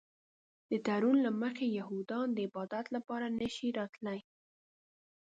د تړون له مخې یهودان د عبادت لپاره نه شي راتلی.